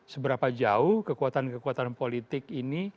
seberapa jauh kekuatan kekuatan politik ini